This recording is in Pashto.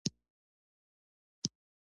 څنګلونه څه ته وایي باید ځواب شي.